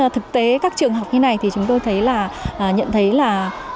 thực tế các trường học như này thì chúng tôi nhận thấy là